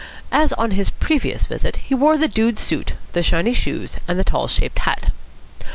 As on his previous visit, he wore the dude suit, the shiny shoes, and the tall shaped hat.